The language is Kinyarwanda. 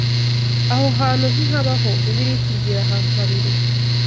Aho hantu ntihabaho, Bibiliya itubwira ahantu habiri: